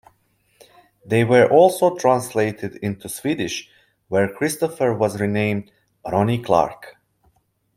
They were also translated into Swedish - where Christopher was renamed "Ronnie Clark".